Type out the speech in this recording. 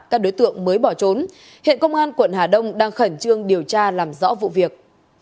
các đối tượng mới bỏ trốn hiện công an quận hà đông đang khẩn trương điều tra làm rõ vụ việc